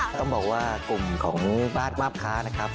ต้องบอกว่ากลุ่มของบ้านมาบค้านะครับ